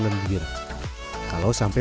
lembir kalau sampai